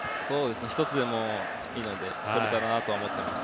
１つでもいいのでとれたらなと思っています。